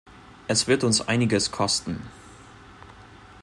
Er wird uns einiges kosten.